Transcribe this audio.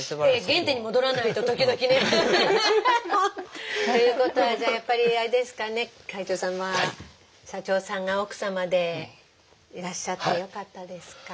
原点に戻らないと時々ね。ということはじゃあやっぱりあれですかね会長さんは社長さんが奥様でいらっしゃってよかったですか？